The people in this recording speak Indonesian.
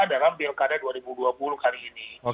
dalam pilkada dua ribu dua puluh kali ini